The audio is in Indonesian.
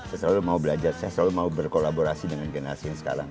saya selalu mau belajar saya selalu mau berkolaborasi dengan generasi yang sekarang